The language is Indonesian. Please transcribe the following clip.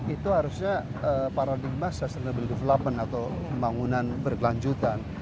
itu harusnya paradigma sustainable development atau pembangunan berkelanjutan